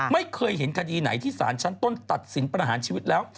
ไม่เคยเห็นคดีไหนที่สารชั้นต้นตัดสินประหารชีวิตแล้ว